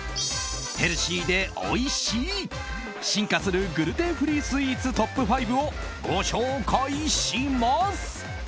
ヘルシーでおいしい進化するグルテンフリースイーツトップ５をご紹介します。